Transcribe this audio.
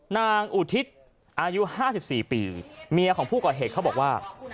อุทิศอายุ๕๔ปีเมียของผู้ก่อเหตุเขาบอกว่า